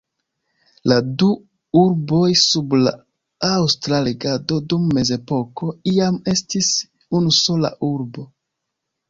La du urboj sub la aŭstra regado dum mezepoko iam estis unu sola urbo.